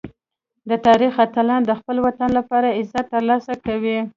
د تاریخ اتلان د خپل وطن لپاره عزت ترلاسه کوي.